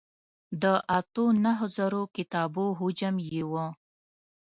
د اتو نهو زرو کتابو حجم یې و.